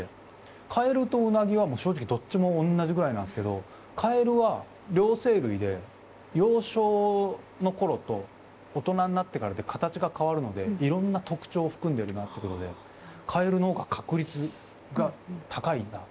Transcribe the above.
カエルとウナギは正直どっちも同じくらいなんですけどカエルは両生類で幼少の頃と大人になってからで形が変わるのでいろんな特長含んでるなってことでカエルの方が確率が高いな特長がいっぱいある分。